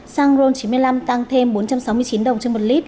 xăng ron chín mươi năm tăng thêm bốn trăm sáu mươi chín đồng trên một lít